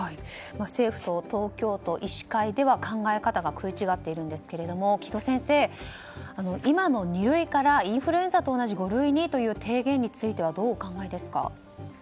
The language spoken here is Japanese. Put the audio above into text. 政府と東京都、医師会では考え方が食い違っているんですが城戸先生、今の二類からインフルエンザと同じ五類にという提言についてはどうお考えですか？